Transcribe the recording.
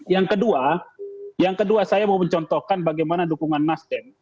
yang kedua saya mau mencontohkan bagaimana dukungan nasdem